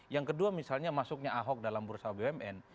yang kedua misalnya masuknya ahok dalam bursa bumn